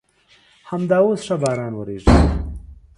همدا اوس ښه باران ورېږي.